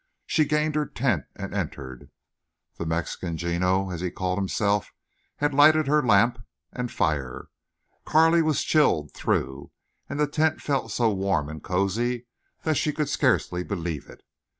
She gained her tent and entered. The Mexican, Gino, as he called himself, had lighted her lamp and fire. Carley was chilled through, and the tent felt so warm and cozy that she could scarcely believe it.